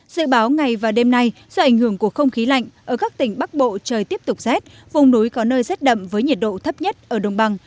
dự báo ngày và đêm nay do ảnh hưởng của không khí lạnh ở các tỉnh bắc bộ trời tiếp tục rét vùng núi có nơi rét đậm với nhiệt độ thấp nhất ở đồng bằng